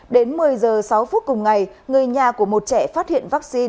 đến một mươi giờ sáu phút cùng ngày người nhà của một trẻ phát hiện vaccine